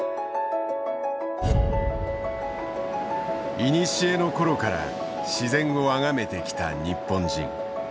いにしえのころから自然をあがめてきた日本人。